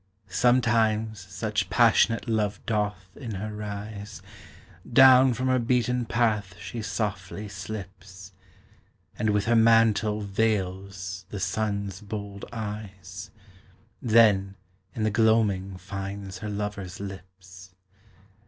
Sometimes such passionate love doth in her rise, Down from her beaten path she softly slips, And with her mantle veils the Sun's bold eyes, Then in the gloaming finds her lover's lips.